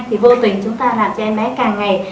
thì vô tình chúng ta làm cho em bé càng ngày